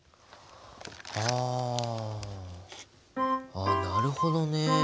ああなるほどね。